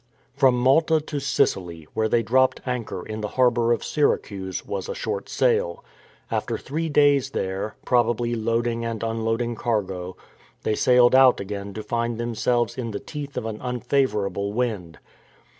From Malta to Sicily, where they dropped anchor in the harbour of Syracuse, was a short sail. After three days there — probably loading and unloading cargo — they sailed out again to find themselves in the teeth of an unfavourable wind.